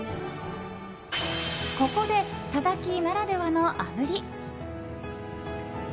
ここで、たたきならではのあぶり。